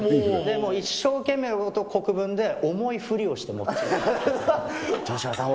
もう一生懸命俺と国分で、重いふりをして持つ。